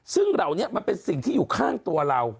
ซึ่งเหล่านี้มันเป็นสิ่งที่อยู่ข้างตัวเรา